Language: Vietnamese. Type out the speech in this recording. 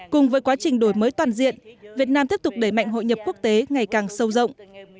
cùng với quá trình đổi mới toàn diện việt nam tiếp tục đẩy mạnh hội nhập quốc tế ngày càng sâu rộng